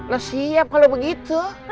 lo siap kalau begitu